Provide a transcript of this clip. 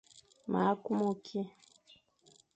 Ma kumu ki.